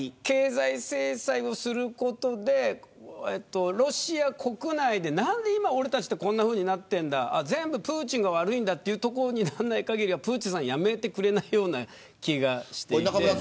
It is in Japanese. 経済制裁をすることでロシア国内でなんで今俺たちってこんなふうになってんだ全部プーチンが悪いんだというとこにならない限りはプーチンさんやめてくれないような気がしていて。